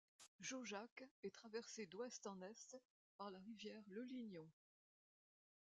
Jaujac est traversée d'ouest en est par la rivière le Lignon.